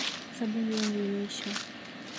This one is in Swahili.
Sabuni yangu imeisha